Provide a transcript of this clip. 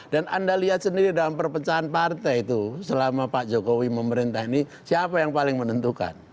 dan anda lihat sendiri dalam perpecahan partai itu selama pak jokowi memerintah ini siapa yang paling menentukan